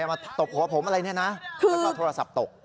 มาตบหัวผมอะไรเนี่ยนะแล้วก็โทรศัพท์ตก